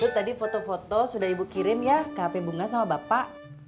tadi foto foto sudah ibu kirim ya ke hp bunga sama bapak